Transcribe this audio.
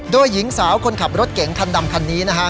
โดยหญิงสาวคนขับรถเก๋งคันดำคันนี้นะฮะ